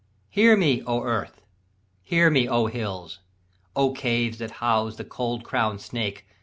Hear me, O Earth, hear me, O Hills, O Caves That house the cold crown'd snake!